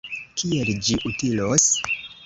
Kiel ĝi utilos?